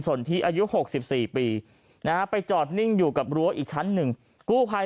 นทิอายุ๖๔ปีนะฮะไปจอดนิ่งอยู่กับรั้วอีกชั้นหนึ่งกู้ภัย